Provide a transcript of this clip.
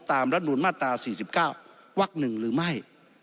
ตามรับนูญมาตรา๔๙วักหนึ่งหรือไม่